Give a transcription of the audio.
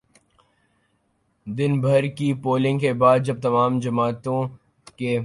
دن بھر کی پولنگ کے بعد جب تمام جماعتوں کے